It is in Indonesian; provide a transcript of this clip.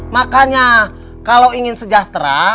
makanya kalo ingin sejahtera